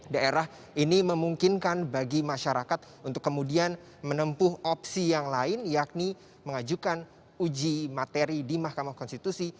daerah ini memungkinkan bagi masyarakat untuk kemudian menempuh opsi yang lain yakni mengajukan uji materi di mahkamah konstitusi